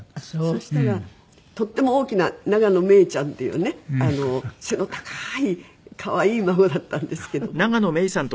そしたらとても大きな永野芽郁ちゃんっていうね背の高い可愛い孫だったんですけども一緒になって。